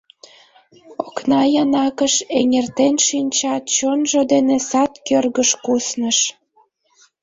Окна янакыш эҥертен шинчат, чонжо дене сад кӧргыш кусныш.